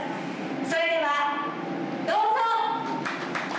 それでは、どうぞ。